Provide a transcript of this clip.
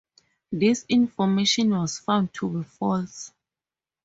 This information was found to be false.